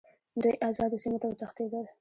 دوی آزادو سیمو ته وتښتېدل.